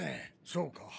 そうか。